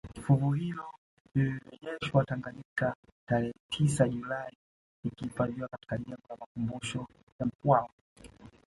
Fuvu hilo lilirejeshwa Tanganyika tarehe tisa Julai likahifadhiwa katika jengo la makumbusho ya Mkwawa